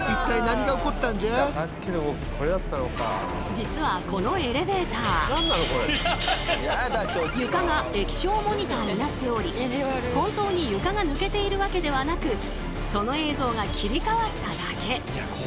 実はこのエレベーター床が液晶モニターになっており本当に床が抜けているわけではなくその映像が切り替わっただけ。